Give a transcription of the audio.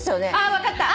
あ分かった。